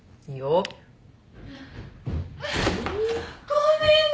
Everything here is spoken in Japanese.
ごめんね！